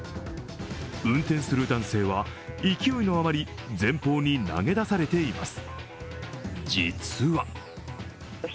運転する男性は、勢いのあまり、前方に投げ出されています。